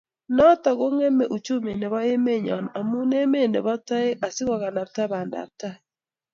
Noto kongemei uchumi nebo emenyo amu emet nebo toek asikokanabta bandaptai